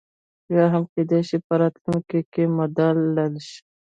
یا هم کېدای شي په راتلونکي کې مدلل شي.